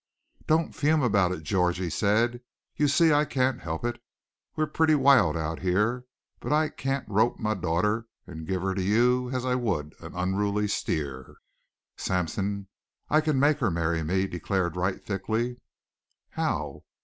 "Don't fume about it, George," he said. "You see I can't help it. We're pretty wild out here, but I can't rope my daughter and give her to you as I would an unruly steer." "Sampson, I can make her marry me," declared Wright thickly. "How?"